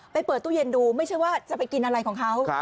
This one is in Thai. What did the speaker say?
เปิดตู้เย็นดูไม่ใช่ว่าจะไปกินอะไรของเขา